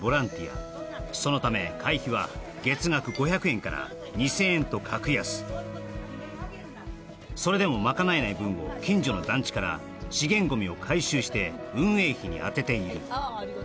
そのため会費は月額５００円から２０００円と格安それでも賄えない分を近所の団地から資源ゴミを回収して運営費に充てているああ